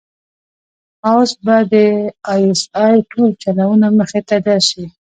اوس به د آى اس آى ټول چلونه مخې ته درشي.